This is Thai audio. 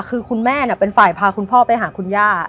คือคุณแม่เป็นฝ่ายพาคุณพ่อไปหาคุณย่า